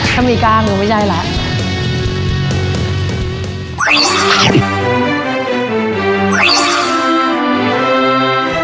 ถ้ามีกล้างก็ไม่ใช่แล้ว